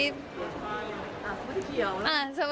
สมมุติวันพุธต้องเขียว